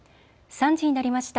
３時になりました。